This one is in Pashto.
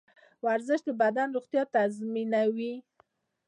ورزش د بدن روغتیا تضمینوي.